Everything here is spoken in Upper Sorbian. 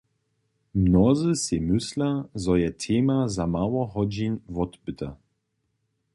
Mnozy sej mysla, zo je tema za mało hodźin wotbyta.